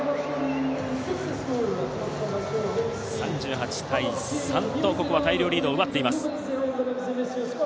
３８対３、大量リードを奪っています。